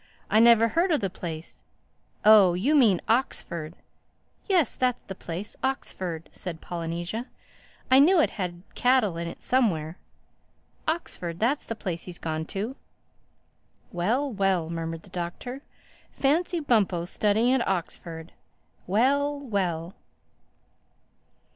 "I never heard of the place—Oh, you mean Oxford." "Yes, that's the place—Oxford," said Polynesia "I knew it had cattle in it somewhere. Oxford—that's the place he's gone to." "Well, well," murmured the Doctor. "Fancy Bumpo studying at Oxford—Well, well!"